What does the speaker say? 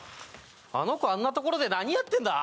あの子あんなところで何やってんだ？